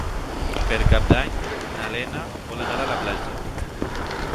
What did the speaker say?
Per Cap d'Any na Lena vol anar a la platja.